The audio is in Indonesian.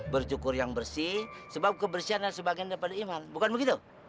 bersyukur yang bersih sebab kebersihan dan sebagainya daripada iman bukan begitu